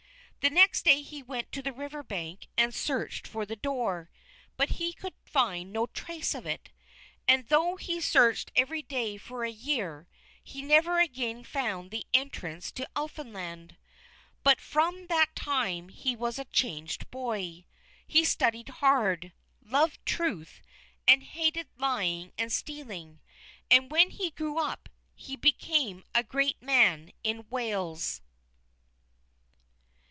The next day he went to the river bank and searched for the door, but could find no trace of it. And though he searched every day for a year, he never again found the entrance to Elfinland. But from that time he was a changed boy. He studied hard, loved truth, and hated lying and stealing. And, when he grew up, he became a great man in Wales.